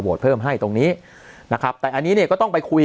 เพิ่มให้ตรงนี้นะครับแต่อันนี้เนี่ยก็ต้องไปคุย